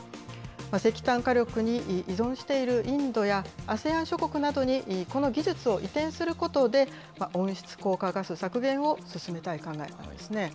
石炭火力に依存しているインドやＡＳＥＡＮ諸国などにこの技術を移転することで、温室効果ガス削減を進めたい考えなんですね。